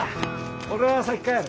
俺は先帰る。